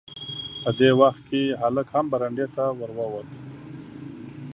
په دې وخت کې هلک هم برنډې ته ور ووت.